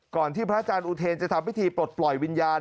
ที่พระอาจารย์อุเทนจะทำพิธีปลดปล่อยวิญญาณ